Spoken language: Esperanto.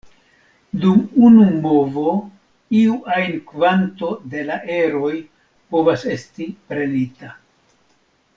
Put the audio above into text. Dum unu movo iu ajn kvanto de la eroj povas esti prenita.